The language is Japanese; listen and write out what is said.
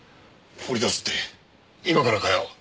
掘り出すって今からかよ？